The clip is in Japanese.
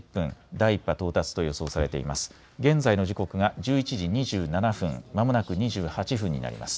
第１波到達と予想されています。